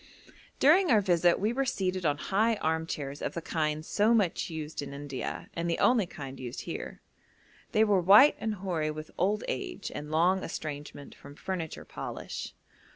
During our visit we were seated on high arm chairs of the kind so much used in India, and the only kind used here. They were white and hoary with old age and long estrangement from furniture polish.